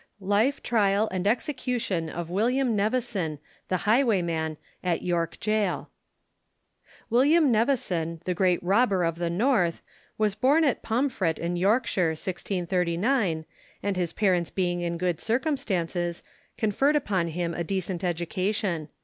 LIFE, TRIAL, & EXECUTION OF WILLIAM NEVISON, THE HIGHWAYMAN, AT YORK GAOL. William Nevison, the great robber of the north, was born at Pomfret in Yorkshire, 1639, and his parents being in good circumstances, conferred upon him a decent education.